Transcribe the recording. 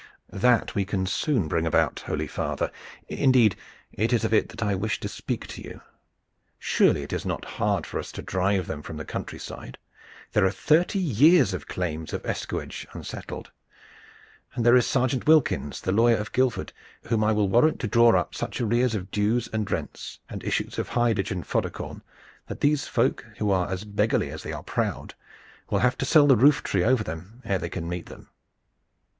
"That we can soon bring about, holy father. Indeed, it is of it that I wished to speak to you. Surely it is not hard for us to drive them from the country side. There are thirty years' claims of escuage unsettled, and there is Sergeant Wilkins, the lawyer of Guildford, whom I will warrant to draw up such arrears of dues and rents and issues of hidage and fodder corn that these folk, who are as beggarly as they are proud, will have to sell the roof tree over them ere they can meet them.